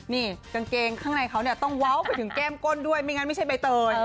นี่กางเกงข้างในเขาเนี่ยต้องเว้าไปถึงแก้มก้นด้วยไม่งั้นไม่ใช่ใบเตย